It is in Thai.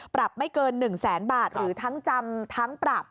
ปรับไม่เกิน๑แสนบาทหรือทั้งจำทั้งปรับ